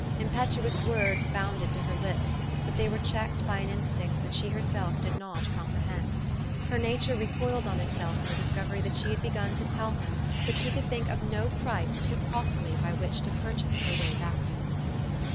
Impetuous words bounded to her lips ; but they were checked by an instinct that she herself did not comprehend. Her nature recoiled on itself in the discover} 7 that she had begun to tell him that she could think of no price too costly by which to purchase her way back to him.